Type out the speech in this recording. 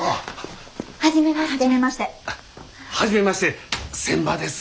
初めまして仙波です。